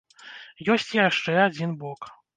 Ёсць і яшчэ адзін бок.